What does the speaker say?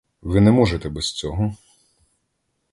Ви не можете без цього.